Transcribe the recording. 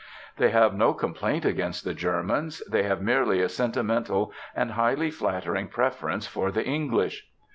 They have no complaint against the Germans. They have merely a sentimental and highly flattering preference for the English.